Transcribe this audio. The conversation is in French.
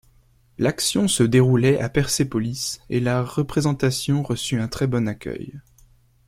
L'action se déroulait à Persépolis et la représentation reçut un très bon accueil.